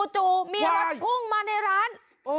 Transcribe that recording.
จู่มีรถพุ่งมาในร้าน